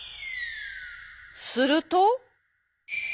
すると。